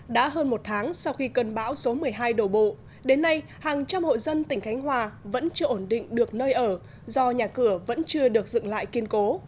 đã hơn một tháng sau khi cơn bão số một mươi hai đổ bộ đến nay hàng trăm hội dân tỉnh khánh hòa vẫn chưa ổn định được nơi ở do nhà cửa vẫn chưa được dựng lại kiên cố